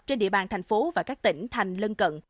trên địa bàn thành phố và các tỉnh thành lân cận